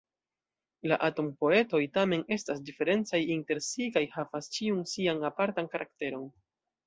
La "atom-poetoj" tamen estas diferencaj inter si kaj havas ĉiu sian apartan karakteron.